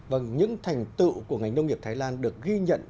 vâng những thành tựu của ngành nông nghiệp thái lan được ghi nhận